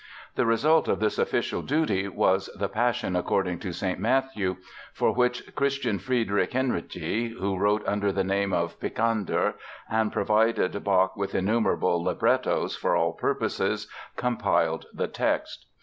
The result of this official duty was the Passion according to St. Matthew, for which Christian Friedrich Henrici, who wrote under the name of "Picander" and provided Bach with innumerable "librettos" for all purposes, compiled the text.